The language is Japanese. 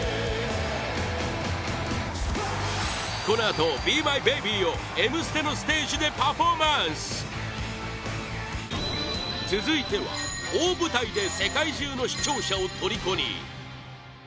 このあと「ＢＥＭＹＢＡＢＹ」を「Ｍステ」のステージでパフォーマンス続いては、大舞台で世界中の視聴者を虜に！